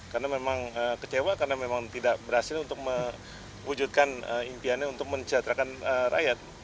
karena memang kecewa karena memang tidak berhasil untuk mewujudkan impiannya untuk menjadakan rakyat